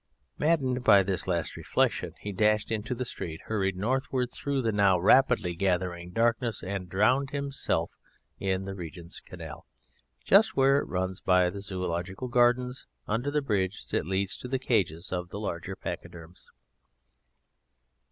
Maddened by this last reflection, he dashed into the street, hurried northward through the now rapidly gathering darkness, and drowned himself in the Regent's Canal, just where it runs by the Zoological Gardens, under the bridge that leads to the cages of the larger pachyderms.